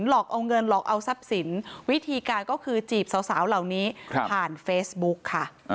หลอกเอาเงินหลอกเอาทรัพย์สินวิธีการก็คือจีบสาวเหล่านี้ผ่านเฟซบุ๊กค่ะ